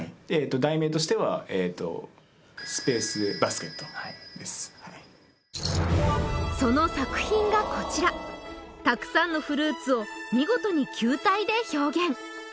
題名としてはえーとはいその作品がこちらたくさんのフルーツを見事に球体で表現